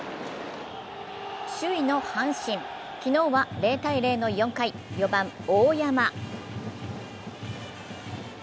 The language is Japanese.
首位の阪神、昨日は０−０の４回、４番・大山。